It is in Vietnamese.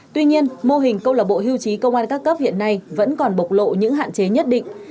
tuy nhiên mô hình câu lạc bộ hưu trí công an các cấp hiện nay vẫn còn bộc lộ những hạn chế nhất định